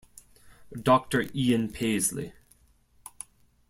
Doctor Ian Paisley.